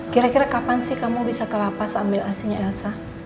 kira kira kapan sih kamu bisa ke lapas ambil asinya elsa